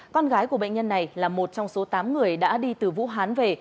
con gái của bệnh nhân này là một trong số tám người đã đi từ vũ hán về